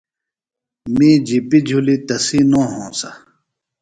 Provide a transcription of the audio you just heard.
می جِپی جُھلیۡ تسی نو ہونسہ۔